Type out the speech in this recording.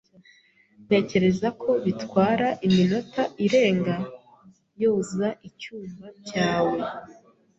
Ntekereza ko bitwara iminota irenga yoza icyumba cyawe.